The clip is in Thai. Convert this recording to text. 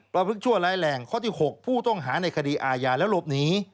ประพฤกชั่วร้ายแรงข้อที่๖ผู้ต้องหาในคดีอาญาแล้วหลบหนี